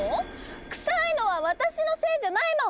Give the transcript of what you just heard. クサいのは私のせいじゃないもん。